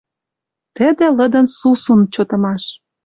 Тӹдӹ лыдын сусун чотымаш.